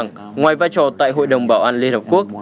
ngoài vai trò tại hội đồng bảo an liên hợp quốc